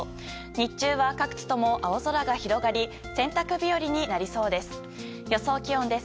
日中は各地とも青空が広がり洗濯日和となりそうです。